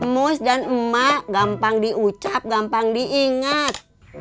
mus dan emak gampang diucap gampang diingat